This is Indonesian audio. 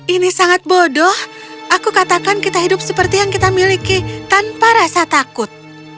ini sangat bodoh aku katakan kita hidup seperti yang kita miliki tanpa rasa takut